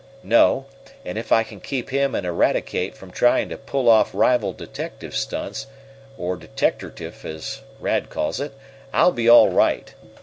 "No, and if I can keep him and Eradicate from trying to pull off rival detective stunts, or 'deteckertiff,' as Rad calls it, I'll be all right.